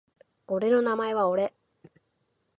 俺の名前は俺